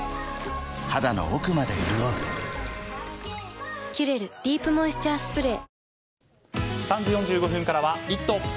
肌の奥まで潤う「キュレルディープモイスチャースプレー」